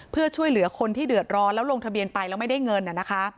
เพื่อช่วยเหลือคนที่เดือดร้อนแล้วลงทะเบียนไปแล้วไม่ได้เงินนะคะ